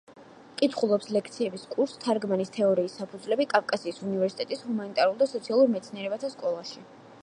კითხულობს ლექციების კურსს „თარგმანის თეორიის საფუძვლები“ კავკასიის უნივერსიტეტის ჰუმანიტარულ და სოციალურ მეცნიერებათა სკოლაში.